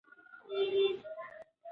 نمځنه د درناوی په مانا یو لرغونی لفظ دی.